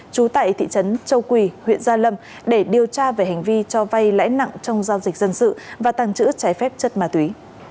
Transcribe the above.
trú tại thị trấn châu quỳ huyện gia lâm để điều tra về hành vi cho vay lãi nặng trong giao dịch dân sự và tàng trữ trái phép chất ma túy